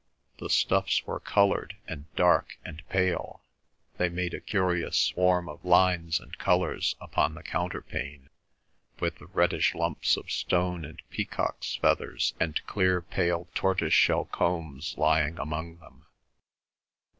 The stuffs were coloured and dark and pale; they made a curious swarm of lines and colours upon the counterpane, with the reddish lumps of stone and peacocks' feathers and clear pale tortoise shell combs lying among them.